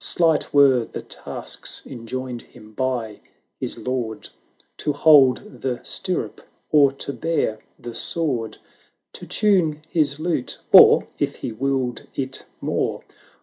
Slight were the tasks enjoined him by his Lord, To hold the stirrup, or to bear the sword ; To tune his lute, or, if he willed it more.